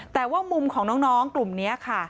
แต่ว่ามุมของน้องกลุ่มนี้ค่ะ